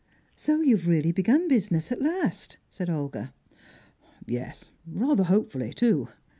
"So you have really begun business at last?" said Olga. "Yes. Rather hopefully, too."